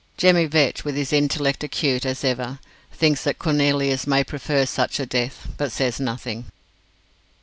Jemmy Vetch, with his intellect acute as ever, thinks that Cornelius may prefer such a death, but says nothing.